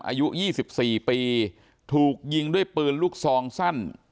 อายุยี่สิบสี่ปีถูกยิงด้วยปืนลูกศองสั้น